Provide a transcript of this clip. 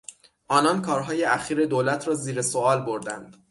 آنان کارهای اخیر دولت را زیر سوال بردند.